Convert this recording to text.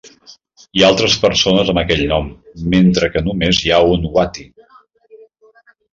Hi ha altres persones amb aquell nom, mentre que només hi ha un Watty.